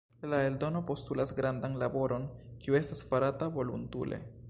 La eldono postulas grandan laboron, kiu estas farata volontule.